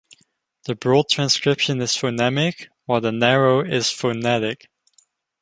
The broad transcription is phonemic while the narrow is phonetic.